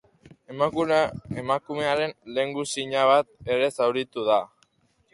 Emakumearen lehengusina bat ere zauritu da.